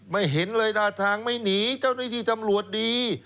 ไม่เห็นเลยท่าทางไม่หนีเจ้าในที่จำลวดดี